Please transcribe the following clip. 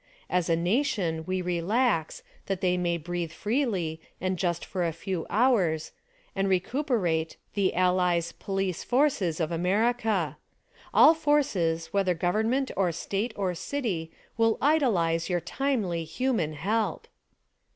As a nation we relax, that they may breathe freely, and just for a few hours — and recuperate, the allies Police Forces of Am_erica. All forces, whether Government or State or City, will idolize your timely, human help.